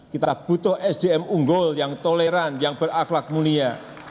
kita butuh sdm unggul yang toleran yang beraklak munia